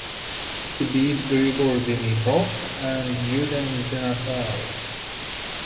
He beat Grigor Dimitrov and Julien Benneteau.